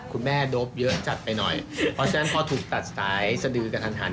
คุณแม่โดปเยอะจัดไปหน่อยเพราะฉะนั้นพอถูกตัดสายสดือกันทัน